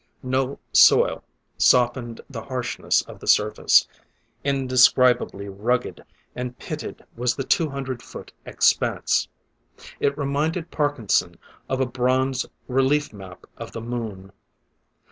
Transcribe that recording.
No soil softened the harshness of the surface; indescribably rugged and pitted was the two hundred foot expanse. It reminded Parkinson of a bronze relief map of the moon.